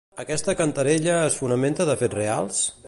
Aquesta cantarella es fonamenta de fets reals?